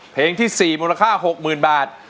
เพลงที่๔มูลค่า๖๐๐๐บาท